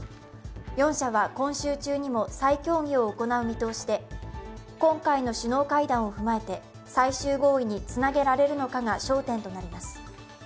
４者は今週中にも再協議を行う見通しで今回の首脳会談を踏まえて最終合意につなげられるのかが焦点となります。